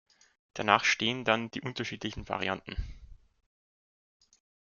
Danach stehen dann die unterschiedlichen Varianten.